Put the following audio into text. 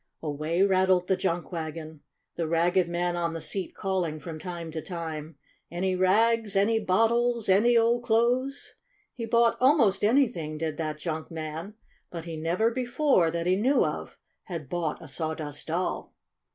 Away rattled the junk wagon, the ragged man on the seat calling from time to time :" Any rags? Any bottles? Any old clothes?" He bought almost anything, did that junk man, but he never before, that he knew of, had bought a Sawdust Doll.